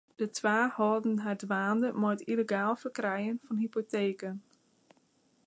De twa holden har dwaande mei it yllegaal ferkrijen fan hypoteken.